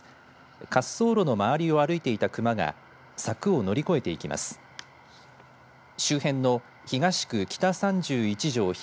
滑走路の周りを歩いていたクマが柵を乗り越えていきます。